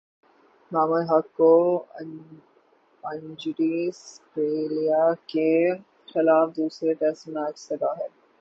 امام الحق کو injury Australia کے خلاف دوسرے ٹیسٹ میچ سے باہر